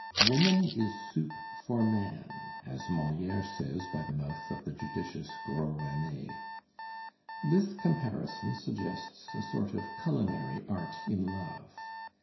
"Woman is soup for man," as Moliere says by the mouth of the judicious Gros Rene. This comparison suggests a sort of culinary art in love.